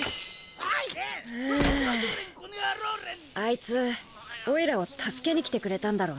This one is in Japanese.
フアイツオイラを助けに来てくれたんだろうな。